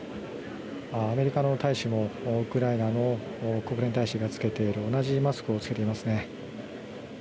アメリカの大使もウクライナの国連大使が着けている同じマスクを着けていますね。